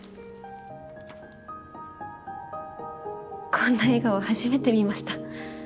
こんな笑顔初めて見ました。